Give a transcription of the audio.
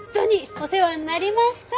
お世話になりました。